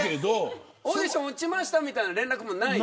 オーディション落ちましたみたいな連絡もないの。